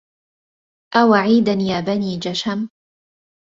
أوعيدا يا بني جشم